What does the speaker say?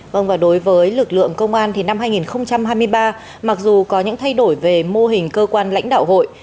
vâng và đối với lực lượng công an thì năm hai nghìn hai mươi ba mặc dù có những thay đổi về mô hình cơ quan lãnh đạo hội